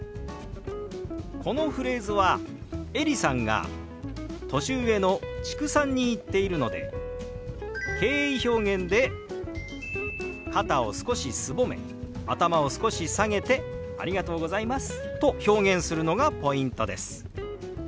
このフレーズはエリさんが年上の知久さんに言っているので敬意表現で肩を少しすぼめ頭を少し下げて「ありがとうございます」と表現するのがポイントです。